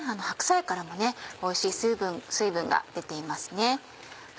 白菜からもおいしい水分が出ています。